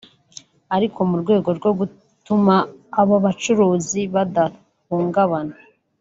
Ariko mu rwego rwo gutuma abo bacuruzi badahungabana